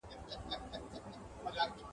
هره ورځ ورته اختر کی هره شپه یې برات غواړم ..